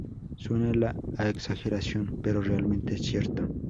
Suena a exageración, pero realmente es cierto.